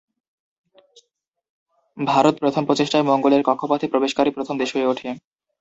ভারত প্রথম প্রচেষ্টায় মঙ্গলের কক্ষপথে প্রবেশকারী প্রথম দেশ হয়ে ওঠে।